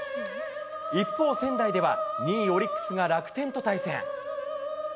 一方、仙台では、２位オリックスが楽天と対戦。